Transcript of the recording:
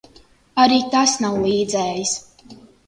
Arī tas nav līdzējis.